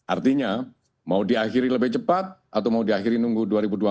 artinya mau diakhiri lebih cepat atau mau diakhiri nunggu dua ribu dua puluh empat